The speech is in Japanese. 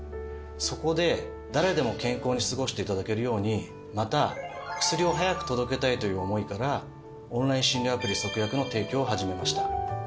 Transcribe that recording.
そこで誰でも健康に過ごして頂けるようにまた薬を早く届けたいという思いからオンライン診療アプリＳＯＫＵＹＡＫＵの提供を始めました。